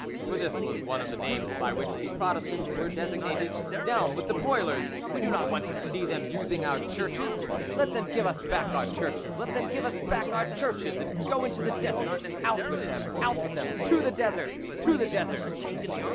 (for this was one of the names by which the Protestants were designated). "Down with the broilers! We do not want to see them using our churches: let them give us back our churches; let them give us back our churches, and go to the desert. Out with them! Out with them! To the desert! To the desert!"